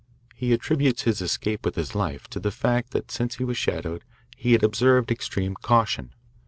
He attributes his escape with his life to the fact that since he was shadowed he has observed extreme caution.